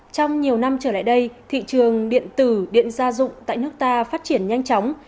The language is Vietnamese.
trong nhiều năm trở lại đây thị trường điện tử điện gia dụng tại nước ta phát triển nhanh chóng